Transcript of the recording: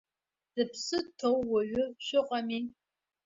Зыԥсы ҭоу уаҩы шәыҟами?